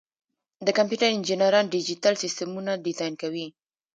د کمپیوټر انجینران ډیجیټل سیسټمونه ډیزاین کوي.